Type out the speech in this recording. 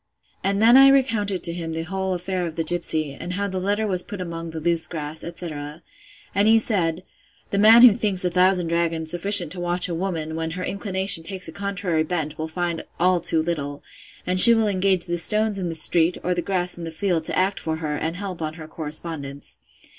And then I recounted to him the whole affair of the gipsy, and how the letter was put among the loose grass, etc. And he said, The man who thinks a thousand dragons sufficient to watch a woman, when her inclination takes a contrary bent, will find all too little; and she will engage the stones in the street, or the grass in the field, to act for her, and help on her correspondence.